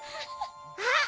あっ！